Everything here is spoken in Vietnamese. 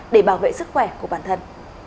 để bảo vệ sức khỏe của bản thân